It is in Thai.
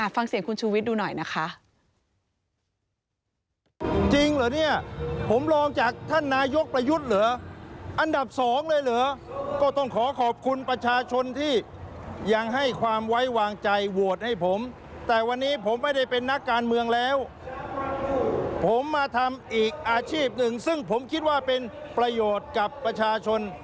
ฟังเสียงคุณชูวิทย์ดูหน่อยนะคะ